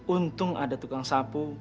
untung ada tukang sapu